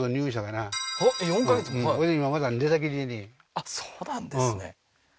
あっそうなんですね